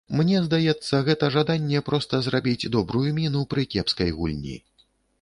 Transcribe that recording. Мне здаецца, гэта жаданне проста зрабіць добрую міну пры кепскай гульні.